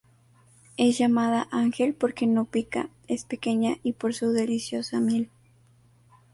Es llamada "ángel" porque no pica, es pequeña y por su deliciosa miel.